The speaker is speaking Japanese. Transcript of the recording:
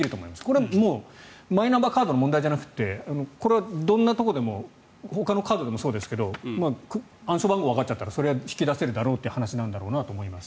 これはマイナンバーカードの問題じゃなくてこれはどんなところでもほかのカードでもそうですが暗証番号がわかっちゃったらそれは引き出せるだろうって話だろうと思います。